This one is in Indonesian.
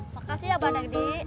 makasih ya pak dagi